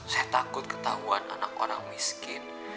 saya takut ketahuan anak orang miskin